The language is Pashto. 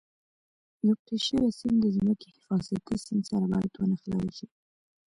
یو پرې شوی سیم د ځمکې حفاظتي سیم سره باید ونښلول شي.